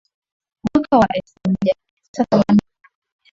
Mwaka wa elfu moja mia tisa themanini na moja